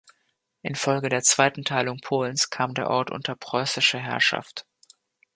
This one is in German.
Infolge der Zweiten Teilung Polens kam der Ort unter preußische Herrschaft.